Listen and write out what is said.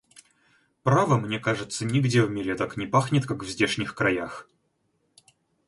Право, мне кажется, нигде в мире так не пахнет, как в здешних краях!